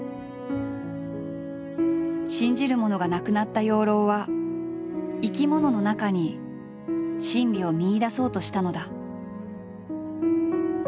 信じるものがなくなった養老は生き物の中に真理を見いだそうとしたのだ。